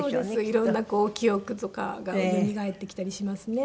色んな記憶とかがよみがえってきたりしますね。